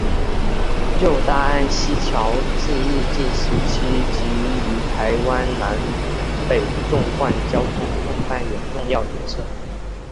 旧大安溪桥自日治时期即于台湾南北纵贯交通扮演重要角色。